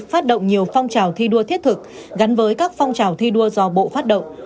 phát động nhiều phong trào thi đua thiết thực gắn với các phong trào thi đua do bộ phát động